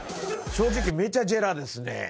正直、めちゃジェラですね。